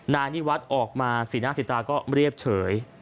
นายนิวัตรออกมาสินาศิษยาก็เรียบเฉย